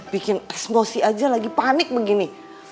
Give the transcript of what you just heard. bikin eksplosi aja lagi panik begini